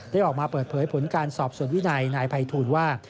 ได้ออกมาเปิดเผยผลการสอบส่วนวินัยนายภัยทูลว่า